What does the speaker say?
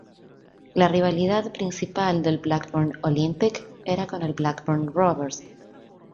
La rivalidad principal del Blackburn Olympic era con el Blackburn Rovers.